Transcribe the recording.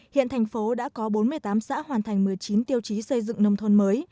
hiện thành phố đã có bốn mươi tám xã hoàn thành một mươi chín tiêu chí xây dựng nông thôn mới